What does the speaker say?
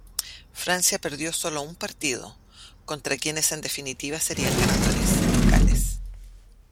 Francia perdió sólo un partido; contra quienes en definitiva serían ganadores, Gales.